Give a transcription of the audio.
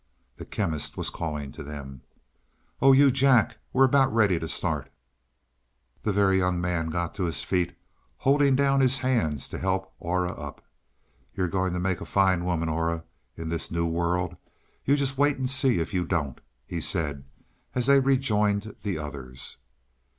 The Chemist was calling to them. "Oh, you Jack. We're about ready to start." The Very Young Man got to his feet, holding down his hands to help Aura up. "You're going to make a fine woman, Aura, in this new world. You just wait and see if you don't," he said as they rejoined the others.